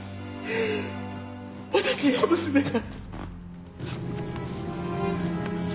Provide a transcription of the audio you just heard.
私の娘が。